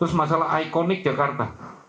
terus masalah ikonik jakarta